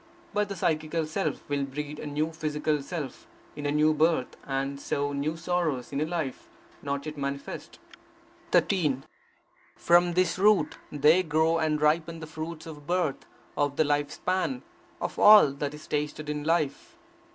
But the psychical self will breed a new psychical self, in a new birth, and so new sorrows in a life not yet manifest. 13. From this root there grow and ripen the fruits of birth, of the life span, of all that is tasted in life.